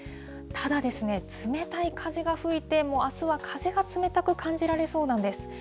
ただ、冷たい風が吹いて、もうあすは風が冷たく感じられそうなんです。